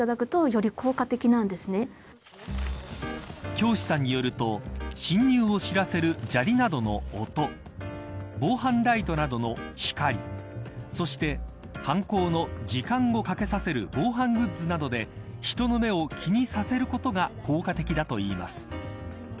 京師さんによると侵入を知らせる砂利などの音防犯ライトなどの光そして、犯行の時間をかけさせる防犯グッズなどで人の目を気にさせることが効果的だといいます。